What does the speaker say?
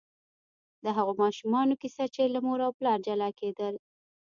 د هغو ماشومانو کیسه چې له مور او پلار جلا کېدل.